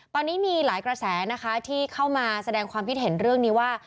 ตอนนี้มีหลายกระแสนะคะที่เข้ามาแสดงความคิดเห็นเรื่องนี้ว่า